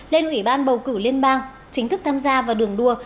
lên ủy ban bầu cử liên bang chính thức tham gia vào đường đua